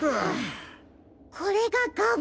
これがガブ。